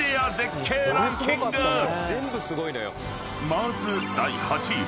［まず第８位は］